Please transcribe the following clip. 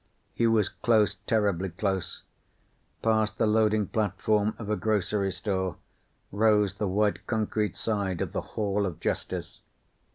He was close, terribly close. Past the loading platform of a grocery store rose the white concrete side of the Hall of Justice.